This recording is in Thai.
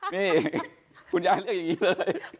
นี่คุณยายเรียกอย่างนี้เลย